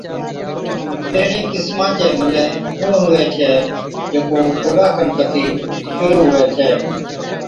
پيهڻي قِسما چَي ملَي اُون هُوَي ڇَي جڪو ٺوڏا کن ڪتِي شرُوع هُوَي ڇَي